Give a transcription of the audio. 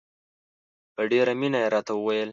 په ډېره مینه یې راته وویل.